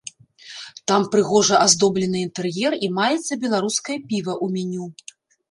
Там прыгожа аздоблены інтэр'ер і маецца беларускае піва ў меню.